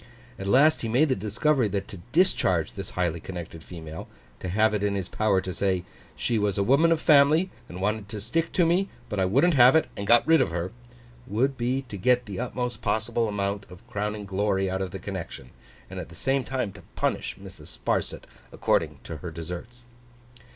At last he made the discovery that to discharge this highly connected female—to have it in his power to say, 'She was a woman of family, and wanted to stick to me, but I wouldn't have it, and got rid of her'—would be to get the utmost possible amount of crowning glory out of the connection, and at the same time to punish Mrs. Sparsit according to her deserts.